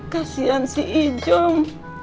kasian si ijom